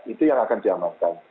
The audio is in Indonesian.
itu yang akan diamankan